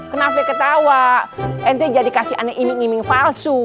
kenapa ketawa ente jadi kasih ane iming iming falsu